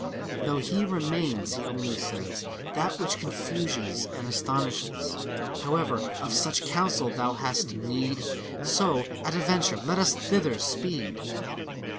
Though he remains, he only says That which confuses and astonishes. However, of such counsel thou hast need ; So, at a venture, let us thither speed